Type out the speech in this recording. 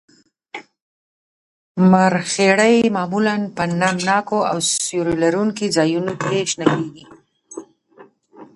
مرخیړي معمولاً په نم ناکو او سیوري لرونکو ځایونو کې شنه کیږي